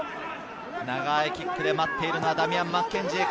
長いキックで待っているのはダミアン・マッケンジー。